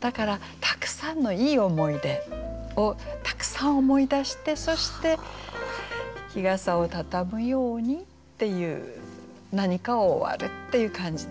だからたくさんのいい思い出をたくさん思い出してそして日傘をたたむようにっていう何かを終わるっていう感じでしょうかね。